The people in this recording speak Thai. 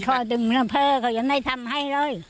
ไปขอดึงมือเพอเขายังไม่ทำให้เลย